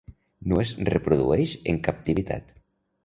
No es reprodueix en captivitat.